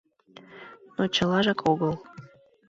Но чылажак огыл.